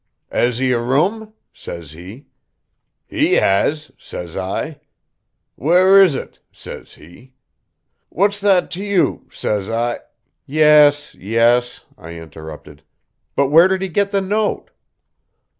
'Has 'e a room?' says he. 'He has,' says I. 'Where is it?' says he. 'What's that to you?' says I " "Yes, yes," I interrupted. "But where did he get the note?"